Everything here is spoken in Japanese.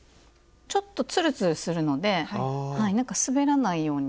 ちょっとツルツルするのではい滑らないように。